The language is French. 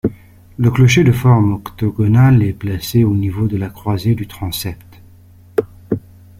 Le clocher, de forme octogonale, est placé au niveau de la croisée du transept.